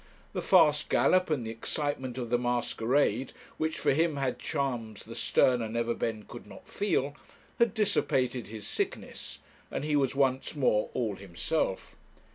The fast gallop, and the excitement of the masquerade, which for him had charms the sterner Neverbend could not feel, had dissipated his sickness; and he was once more all himself.